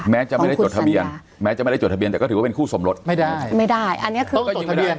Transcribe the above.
จะไม่ได้จดทะเบียนแม้จะไม่ได้จดทะเบียนแต่ก็ถือว่าเป็นคู่สมรสไม่ได้ไม่ได้อันนี้คือก็ยังไม่ได้